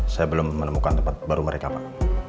saya belum menemukan tempat baru mereka pak